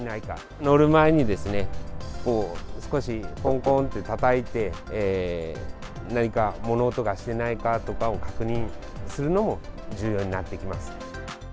乗る前に、こう、少しこんこんってたたいて、何か物音がしてないかというのを確認するのも重要になってきます。